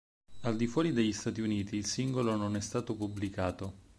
Al di fuori degli Stati Uniti il singolo non è stato pubblicato.